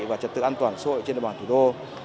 và trật tự an toàn sội trên đại bản thủ đô